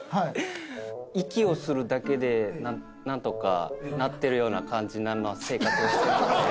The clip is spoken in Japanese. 息をするだけで何とかなってるような感じ生活をしてるので。